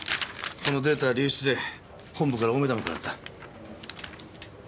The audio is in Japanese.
このデータ流出で本部から大目玉くらった。